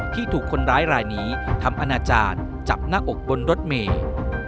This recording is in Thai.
ที่ถูกคนร้ายรายนี้ทำอนาจารย์จับหน้าอกบนรถเมย์